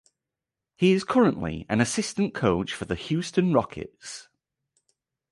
He is currently an assistant coach for the Houston Rockets.